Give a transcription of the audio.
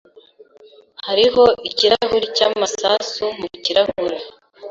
Hariho ikirahuri cyamasasu mu kirahure.